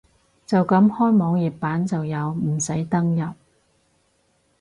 就咁開網頁版就有，唔使登入